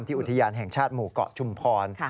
อุทยานแห่งชาติหมู่เกาะชุมพร